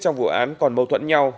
trong vụ án còn mâu thuẫn nhau